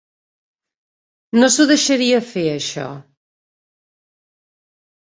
No s'ho deixaria fer, això!